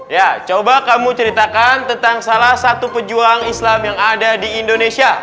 ya coba kamu ceritakan tentang salah satu pejuang islam yang ada di indonesia